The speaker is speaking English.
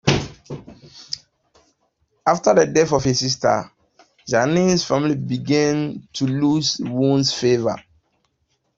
After the death of his sister, Yannian's family began to lose Wu's favour.